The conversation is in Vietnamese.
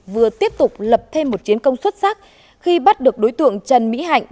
vừa tiếp tục lập thêm một chiến công xuất sắc khi bắt được đối tượng trần mỹ hạnh